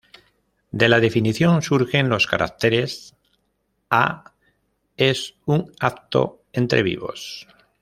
De la definición surgen los caracteres: a- Es un acto entre vivos.